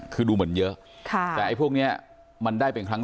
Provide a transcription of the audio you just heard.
คือดูเหมือนเยอะแต่ไอ้พวกนี้มันได้เป็นครั้ง